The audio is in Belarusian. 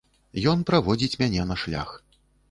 Ён праводзіць мяне на шлях.